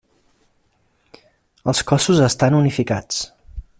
Els cossos estan unificats.